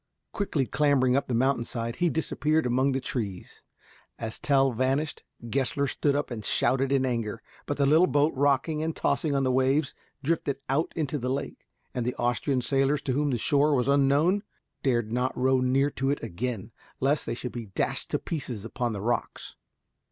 Quickly clambering up the mountain side, he disappeared among the trees. As Tell vanished, Gessler stood up and shouted in anger, but the little boat, rocking and tossing on the waves, drifted out into the lake, and the Austrian sailors, to whom the shore was unknown, dared not row near to it again, lest they should be dashed to pieces upon the rocks.